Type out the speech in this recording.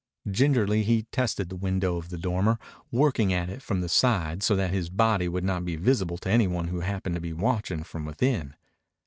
Gingerly he tested the window of the dormer, working at it from the side so that his body would not be visible to anybody who happened to be watching from within.